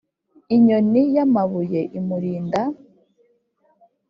inyoni yamabuye imurinda: